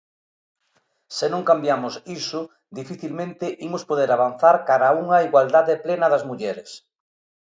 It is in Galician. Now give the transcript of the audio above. Se non cambiamos iso, dificilmente imos poder avanzar cara a unha igualdade plena das mulleres.